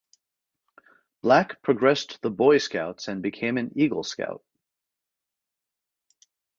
Black progressed the Boy Scouts and became an Eagle Scout.